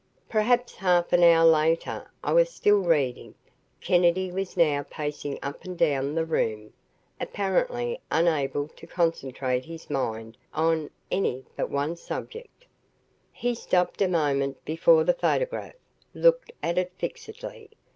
Perhaps half an hour later, I was still reading. Kennedy was now pacing up and down the room, apparently unable to concentrate his mind on any but one subject. He stopped a moment before the photograph, looked at it fixedly.